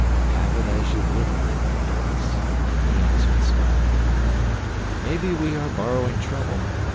"Have it as you will then, Alice," he answered, smiling. "Maybe we are borrowing trouble.